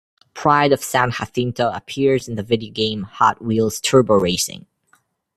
"Pride of San Jacinto" appears in the videogame "Hot Wheels Turbo Racing".